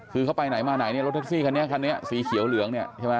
คือเขาไปไหนมาไหนรถทักซี่ขนาดนี้สีเขียวเหลือง